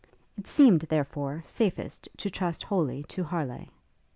It seemed, therefore, safest to trust wholly to Harleigh.